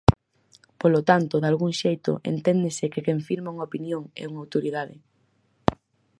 Polo tanto, dalgún xeito, enténdese que quen firma unha opinión é unha autoridade.